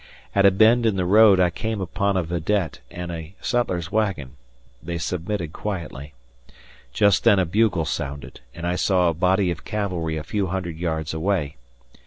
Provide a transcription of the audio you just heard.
At a bend in the road, I came upon a vidette and a cutler's wagon; they submitted quietly. Just then a bugle sounded, and I saw a body of cavalry a few hundred yards away.